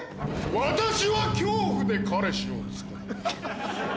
私は恐怖で彼氏をつくる！